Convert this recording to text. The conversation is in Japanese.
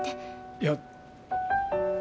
いや。